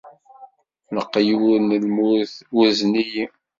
Leqyud n lmut urzen-iyi.